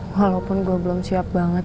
walaupun gue belum siap banget